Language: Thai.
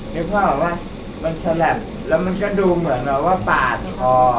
นี่พ่อบอกไหมมันฉลับแล้วมันก็ดูเหมือนเราว่าปากคอ